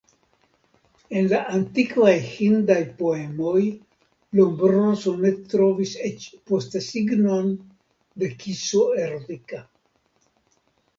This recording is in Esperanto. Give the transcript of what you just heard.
En la antikvaj Hindaj poemoj Lombroso ne trovis eĉ postesignon de kiso erotika.